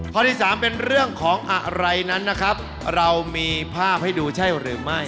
ข้อที่สามเป็นเรื่องของอะไรนั้นนะครับเรามีภาพให้ดูใช่หรือไม่